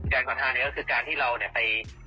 บอกว่าจะเอาเงินไปรักษาตัว